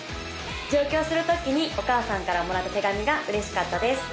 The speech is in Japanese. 上京する時にお母さんからもらった手紙が嬉しかったです